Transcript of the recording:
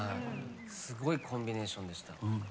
すごいコンビネーションでした。